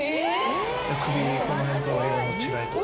首この辺との色の違いとか。